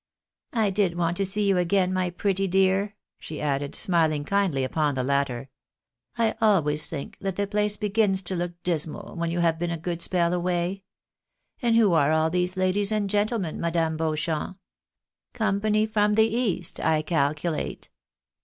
" I did want to see you again, my pretty dear," she added, smiling kindly upon the latter, " I always think that the place begins to look dismal when you have been a good spell away. And who are all these ladies and gentlemen, Madame Beauchamp? Company from the east I calculate."